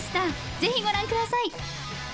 ぜひご覧ください！